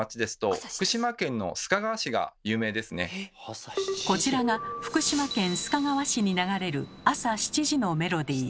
例えばこちらが福島県須賀川市に流れる朝７時のメロディー。